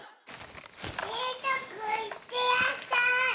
えいたくんいってらっしゃい。